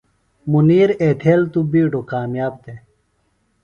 منیر ایتھیل تو بِیڈوۡ کامیاب دےۡ۔